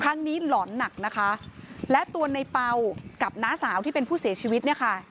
หลอนหนักนะคะและตัวในเป่ากับน้าสาวที่เป็นผู้เสียชีวิตเนี่ยค่ะ